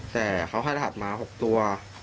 แต่เขาให้รหัสมา๖ตัว